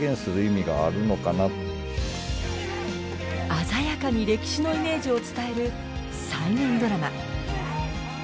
鮮やかに歴史のイメージを伝える再現ドラマ。